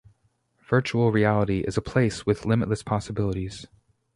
Virtual Reality is a place with limitless possibilities